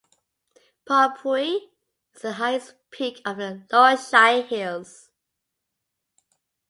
Phawngpui is the highest peak of the Lushai Hills.